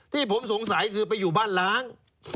ที่ผมสงสัยคือไปอยู่บ้านล้าง